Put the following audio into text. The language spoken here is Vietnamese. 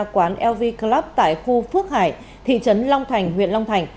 quán lv club tại khu phước hải thị trấn long thành huyện long thành